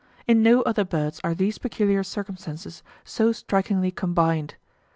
In no other birds are these peculiar circumstances so strikingly combined.